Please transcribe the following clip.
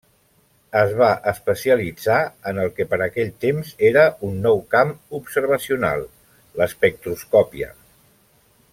Es va especialitzar en el que per aquell temps era un nou camp observacional: l'espectroscòpia.